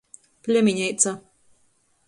Plemineica.